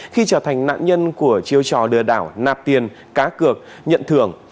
khi trở thành nạn nhân của chiêu trò lừa đảo nạp tiền cá cược nhận thưởng